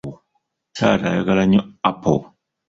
Taata ayagala nnyo apo.